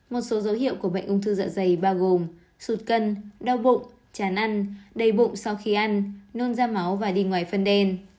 một số dấu hiệu của bệnh ung thư dạ dày bao gồm sụp cân đau bụng tràn ăn đầy bụng sau khi ăn nôn ra máu và đi ngoài phân đen